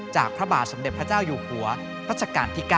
พระบาทสมเด็จพระเจ้าอยู่หัวรัชกาลที่๙